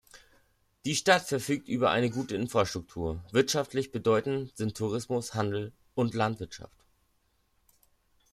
Die Stadt verfügt über eine gute Infrastruktur; wirtschaftlich bedeutend sind Tourismus, Handel und Landwirtschaft.